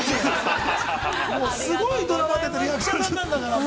すごいドラマ出てる役者さんなんだから。